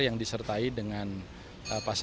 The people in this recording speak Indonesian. yang disertai dengan pasangan